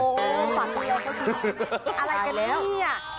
โอ้โฮฝากตัวเก่งก็คือ